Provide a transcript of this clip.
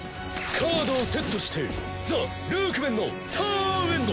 カードをセットしてザ・ルークメンのターンエンド。